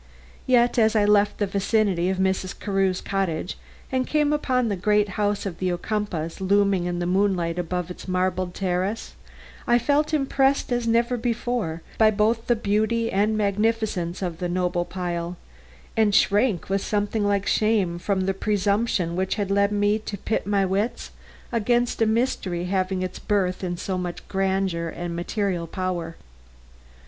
Yet as I left the vicinity of Mrs. Carew's cottage and came upon the great house of the Ocumpaughs looming in the moonlight above its marble terraces, I felt impressed as never before both by the beauty and magnificence of the noble pile, and shrank with something like shame from the presumption which had led me to pit my wits against a mystery having its birth in so much grandeur and material power.